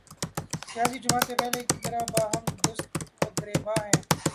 سیاسی جماعتیں پہلے کی طرح باہم دست و گریبان ہیں۔